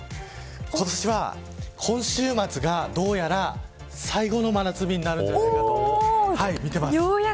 今年は、今週末がどうやら最後の真夏日になるんじゃないかとみています。